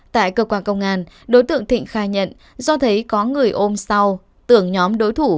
tại cơ quan công an đối tượng thịnh khai nhận do thấy có người ôm sau tưởng nhóm đối thủ